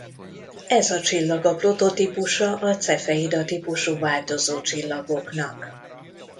Ez a csillag a prototípusa a cefeida típusú változócsillagoknak.